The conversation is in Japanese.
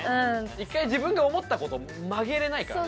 １回自分が思った事を曲げれないからね。